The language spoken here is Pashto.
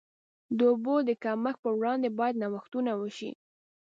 د اوبو د کمښت پر وړاندې باید نوښتونه وشي.